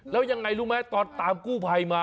แล้วยังไงรู้ไหมตอนตามกู้ภัยมา